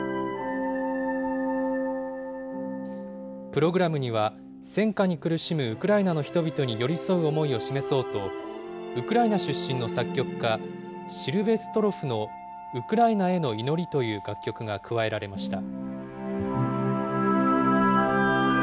プログラムには、戦火に苦しむウクライナの人々に寄り添う姿勢を示そうと、ウクライナ出身の作曲家、シルヴェストロフのウクライナへの祈りという楽曲が加えられました。